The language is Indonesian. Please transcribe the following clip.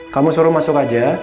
kamu suruh masuk aja